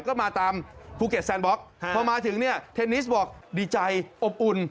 ก็มาตามภูเก็ตแซนบล็อกพอมาถึงเนี่ยเทนนิสบอกดีใจอบอุ่น